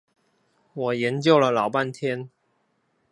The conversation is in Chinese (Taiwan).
我研究了老半天